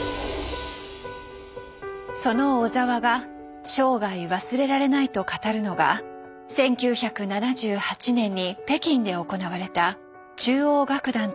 その小澤が「生涯忘れられない」と語るのが１９７８年に北京で行われた中央楽団とのコンサートです。